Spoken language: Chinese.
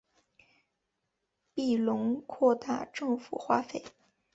庇隆扩大政府花费。